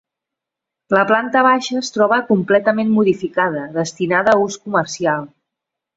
La planta baixa es troba completament modificada, destinada a ús comercial.